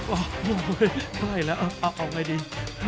โอ้โหได้แล้วเอาไงดี